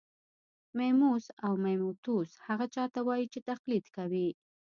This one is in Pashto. میموس او میموتوس هغه چا ته وايي چې تقلید کوي